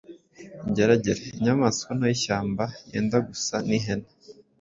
Ingeragere: Inyamaswa nto y’ishyamba yenda gusa n’ihene.